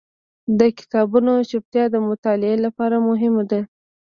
د کتابتون چوپتیا د مطالعې لپاره مهمه ده.